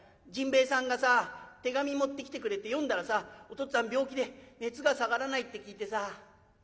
甚兵衛さんがさ手紙持ってきてくれて読んだらさお父っつぁん病気で熱が下がらないって聞いてさ。